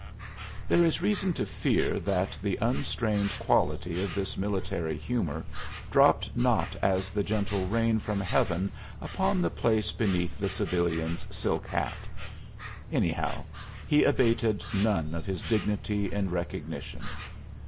There is reason to fear that the unstrained quality of this military humor dropped not as the gentle rain from heaven upon the place beneath the civilian's silk hat. Anyhow he abated none of his dignity in recognition.